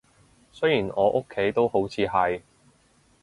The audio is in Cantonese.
雖然我屋企都好似係